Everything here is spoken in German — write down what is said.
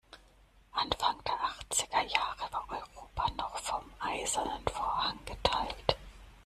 Anfang der achtziger Jahre war Europa noch vom eisernen Vorhang geteilt.